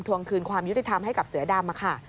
วงคืนความยุติธรรมให้กับเสือดำค่ะ